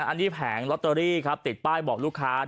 อันนี้แผงลอตเตอรี่ครับติดป้ายบอกลูกค้า